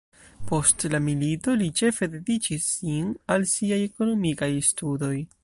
Post la milito, li ĉefe dediĉis sin al siaj ekonomikaj studoj.